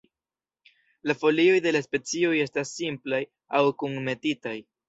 La folioj de la specioj estas simplaj aŭ kunmetitaj.